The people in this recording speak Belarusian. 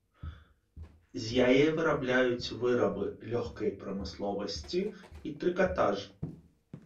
З яе вырабляюць вырабы лёгкай прамысловасці і трыкатаж.